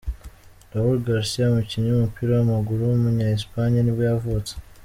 Raúl García, umukinnyi w’umupira w’amaguru w’umunya-Espagne nibwo yavutse.